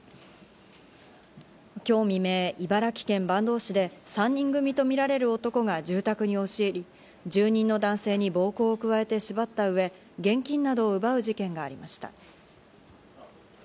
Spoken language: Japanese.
今日未明、茨城県坂東市で３人組とみられる男が住宅に押し入り、住人の男性に暴行を加えて縛ったうえ、現金などを奪う事件がありました。